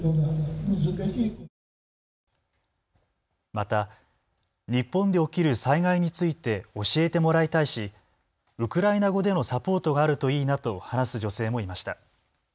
また、日本で起きる災害について教えてもらいたいしウクライナ語でのサポートがあるといいなと話す女性もいました。